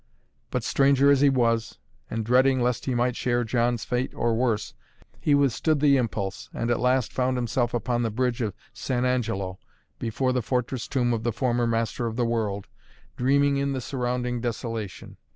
But, stranger as he was, and dreading lest he might share John's fate or worse, he withstood the impulse and at last found himself upon the Bridge of San Angelo before the fortress tomb of the former master of the world, dreaming in the surrounding desolation.